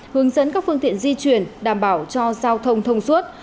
hướng dẫn các phương tiện di chuyển đảm bảo cho giao thông thông suốt